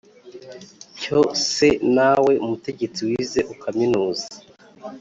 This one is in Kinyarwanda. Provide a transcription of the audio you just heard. cyo se na we mutegetsi wize ukaminuza